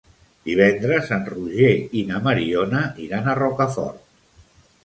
Divendres en Roger i na Mariona iran a Rocafort.